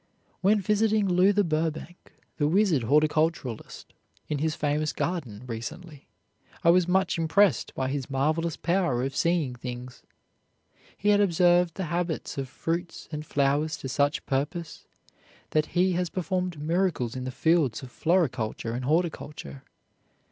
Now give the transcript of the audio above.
While visiting Luther Burbank, the wizard horticulturist, in his famous garden, recently, I was much impressed by his marvelous power of seeing things. He has observed the habits of fruits and flowers to such purpose that he has performed miracles in the fields of floriculture and horticulture.